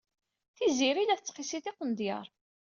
Tiziri la tettqissi tiqendyar.